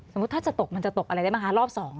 ถ้าจะตกมันจะตกอะไรได้ไหมคะรอบ๒